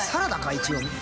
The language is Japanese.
一応。